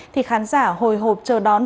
thì khán giả hồi hộp chờ đón